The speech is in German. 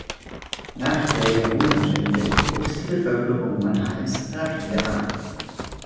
Nach der Jahrhundertwende wuchs die Bevölkerung Mannheims rapide an.